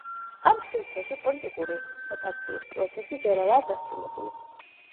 ამ სივრცეში პოლიტიკური სეპარაციის პროცესი ჯერ არაა დასრულებული.